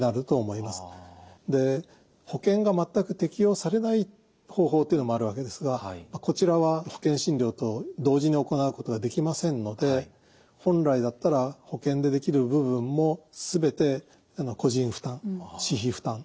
保険が全く適用されない方法というのもあるわけですがこちらは保険診療と同時に行うことができませんので本来だったら保険でできる部分も全て個人負担私費負担。